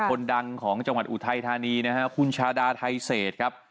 คนดังของจังหวัดอุทัยธานีนะฮะคุณชาดาไทเศษครับ